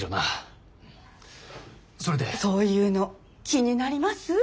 そういうの気になります？